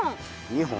２本？